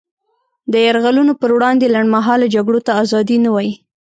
د یرغلونو پر وړاندې لنډمهاله جګړو ته ازادي نه وايي.